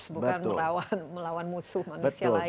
bukan melawan musuh manusia lain